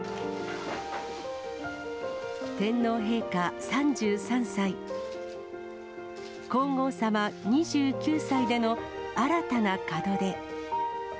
天皇陛下３３歳、皇后さま２９歳での新たな門出。